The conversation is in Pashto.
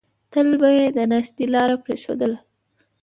تل به يې د نښتې لاره پرېښودله.